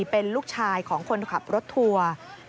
เป็นลูกชายของคนขับรถทัวร์